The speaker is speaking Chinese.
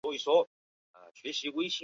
普鲁士系统已为当代各国军队所使用。